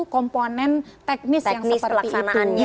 komponen teknis yang seperti itu